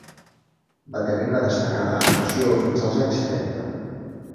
Va tenir una destacada actuació fins als anys trenta.